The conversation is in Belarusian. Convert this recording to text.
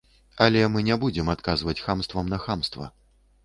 Але мы не будзем адказваць хамствам на хамства.